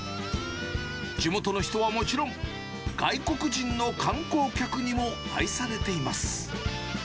地元の人はもちろん、外国人の観光客にも愛されています。